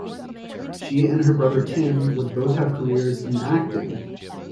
She and her brother Tim would both have careers in acting.